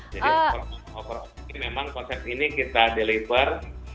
jadi memang konsep ini kita deliver